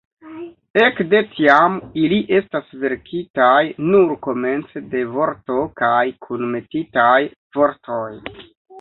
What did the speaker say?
Ekde tiam, ili estas verkitaj nur komence de vorto kaj kunmetitaj vortoj.